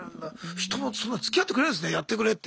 人はそんなつきあってくれるんですねやってくれって。